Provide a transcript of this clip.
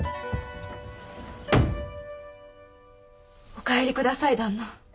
お帰り下さい旦那。